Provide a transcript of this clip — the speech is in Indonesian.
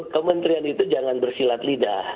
kementerian itu jangan bersilat lidah